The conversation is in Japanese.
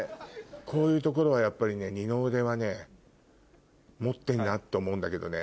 こういうところはやっぱり二の腕はね持ってんなって思うんだけどね。